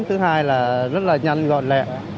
thứ hai là rất là nhanh gọn lẹ